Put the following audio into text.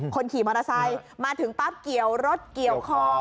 คนขี่มอเตอร์ไซค์มาถึงปั๊บเกี่ยวรถเกี่ยวคอ